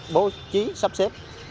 bố trí sắp xếp